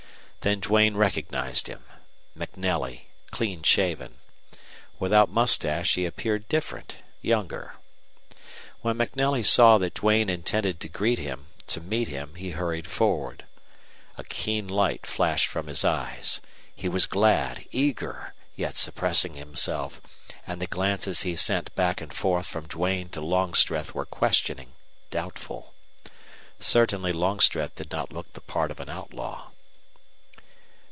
Then Duane recognized him MacNelly, clean shaven. Without mustache he appeared different, younger. When MacNelly saw that Duane intended to greet him, to meet him, he hurried forward. A keen light flashed from his eyes. He was glad, eager, yet suppressing himself, and the glances he sent back and forth from Duane to Longstreth were questioning, doubtful. Certainly Longstreth did not look the part of an outlaw.